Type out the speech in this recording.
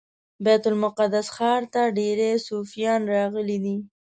بیت المقدس ښار ته ډیری صوفیان راغلي دي.